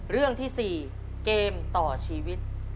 เรื่องที่๔เกมต่อชีวิต